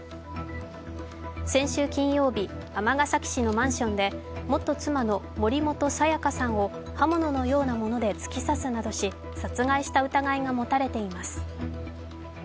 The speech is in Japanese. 先週金曜日、尼崎市のマンションで元妻の森本彩加さんを刃物のようなもので突き刺すなどし殺害した疑いが持たれています。